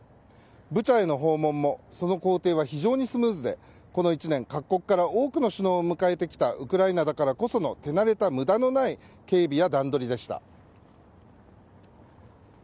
ブチャへの訪問もその行程は非常にスムーズでこの１年各国から多くの首脳を迎えてきたウクライナだからこその手慣れた無駄のない警備や段取りでした。